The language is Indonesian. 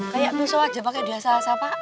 kayak pisau aja pak kayak diasahasa pak